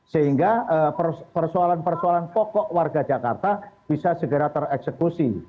sehingga persoalan persoalan pokok warga jakarta bisa segera tereksekusi